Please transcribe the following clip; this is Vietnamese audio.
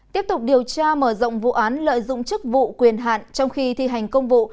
tiếp tục điều tra mở rộng vụ án lợi dụng chức vụ quyền hạn trong khi thi hành công vụ